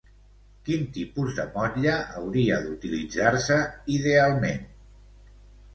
Quin tipus de motlle hauria d'utilitzar-se, idealment?